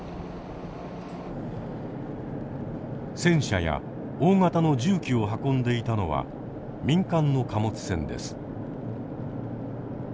戦車や大型の重機を運んでいたのは民間の貨物船です。